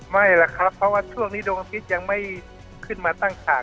ไม่แหละครับเพราะว่าช่วงนี้ดวงอาทิตย์ยังไม่ขึ้นมาตั้งฉาก